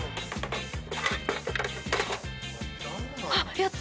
やった！